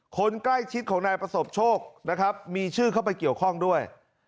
คนใกล้ชิดของนายประสบโชคนะครับมีชื่อเข้าไปเกี่ยวข้องด้วย